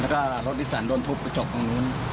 แล้วก็รถอิสรรดิ์โดนทุบไปจบตรงนู้น